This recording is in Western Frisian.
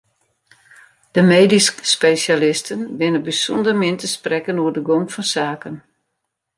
De medysk spesjalisten binne bysûnder min te sprekken oer de gong fan saken.